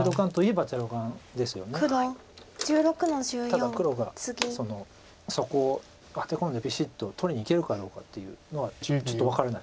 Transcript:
ただ黒がそこをアテ込んでビシッと取りにいけるかどうかっていうのはちょっと分からないですよね。